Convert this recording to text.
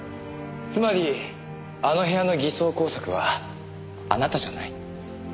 つまりあの部屋の偽装工作はあなたじゃない。